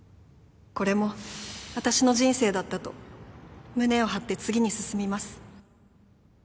これも私の人生だったと胸を張って次に進みます